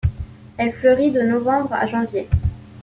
Elle fleurit de novembre à janvier.